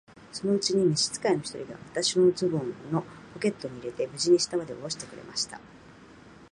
そのうちに召使の一人が、私をズボンのポケットに入れて、無事に下までおろしてくれました。